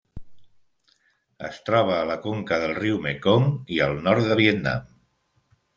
Es troba a la conca del riu Mekong i al nord de Vietnam.